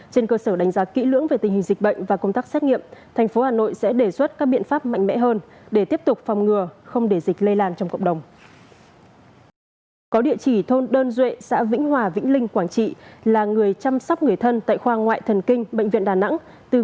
trên cơ sở đánh giá kỹ lưỡng về tình hình dịch bệnh và công tác xét nghiệm tp hà nội sẽ đề xuất các biện pháp mạnh mẽ hơn để tiếp tục phòng ngừa không để dịch lây lan trong cộng đồng